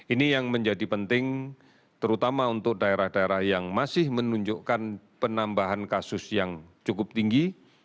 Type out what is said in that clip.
ini yang menjadi penting terutama untuk daerah daerah yang masih menunjukkan penambahan kasus yang cukup tinggi